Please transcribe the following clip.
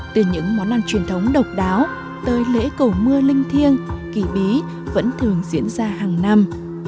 từ những món ăn truyền thống độc đáo tới lễ cầu mưa linh thiêng kỳ bí vẫn thường diễn ra hàng năm